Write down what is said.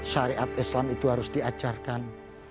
syariat islam itu harus diajarkan